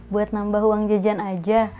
buat nambah uang jajan aja